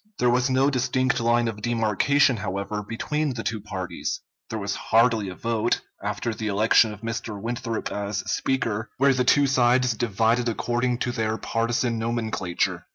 There was no distinct line of demarcation, however, between the two parties. There was hardly a vote, after the election of Mr. Winthrop as Speaker, where the two sides divided according to their partisan nomenclature.